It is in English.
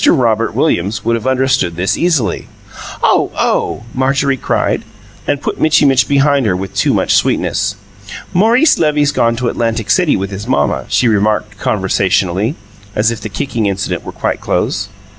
Robert Williams would have understood this, easily. "Oh, oh!" Marjorie cried, and put Mitchy Mitch behind her with too much sweetness. "Maurice Levy's gone to Atlantic City with his mamma," she remarked conversationally, as if the kicking incident were quite closed.